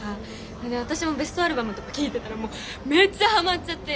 それで私もベストアルバムとか聴いてたらもうめっちゃハマっちゃって。